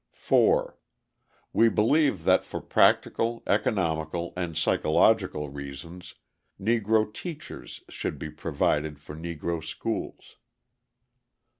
4. We believe that for practical, economical and psychological reasons Negro teachers should be provided for Negro schools.